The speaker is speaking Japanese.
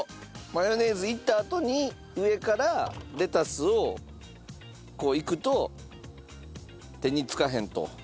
マヨネーズいったあとに上からレタスをこういくと手につかへんと。